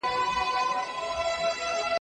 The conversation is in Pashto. صدراعظم د پاچا له پرېکړو څخه خبر نه و.